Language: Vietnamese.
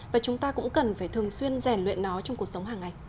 và chúng ta cũng cần phải thường xuyên rèn luyện nó trong cuộc sống hàng ngày